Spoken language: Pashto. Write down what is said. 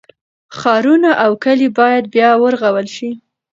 ښارونه او کلي باید بیا ورغول شي.